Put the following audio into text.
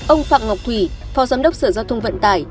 ông phạm ngọc thủy phó giám đốc sở giao thông vận tải